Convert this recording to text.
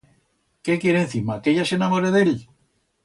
Qué quiere encima, que ella s'enamore d'él?